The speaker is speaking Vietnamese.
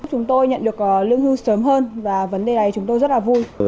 chúng tôi nhận được lương hưu sớm hơn và vấn đề này chúng tôi rất là vui